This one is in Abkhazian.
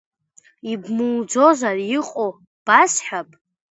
Ибмуӡозар, иҟоу басҳәап!